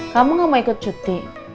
kamu gak mau ikut cuti